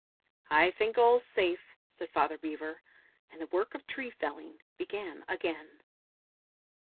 "I think all's safe," said Father Beaver; and the work of tree felling began again.